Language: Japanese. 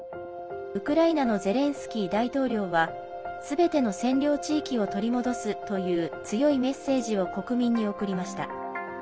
ウクライナのゼレンスキー大統領はすべての占領地域を取り戻すという強いメッセージを国民に送りました。